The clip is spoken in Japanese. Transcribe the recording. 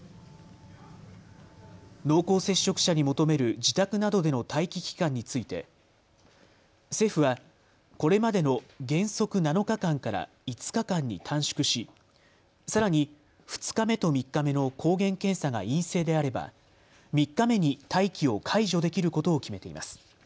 濃厚接触者に求める自宅などでの待機期間について政府はこれまでの原則７日間から５日間に短縮し、さらに２日目と３日目の抗原検査が陰性であれば３日目に待機を解除できることを決めています。